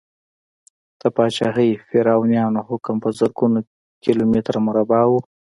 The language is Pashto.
د پاچاهي فرعونیانو حکم په زرګونو کیلو متره مربع و.